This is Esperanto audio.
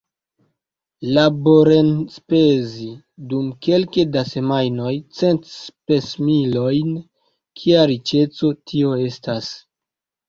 Laborenspezi dum kelke da semajnoj cent spesmilojn -- kia riĉeco tio estas!